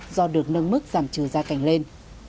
do được nâng mức giảm chứa ra cảnh lên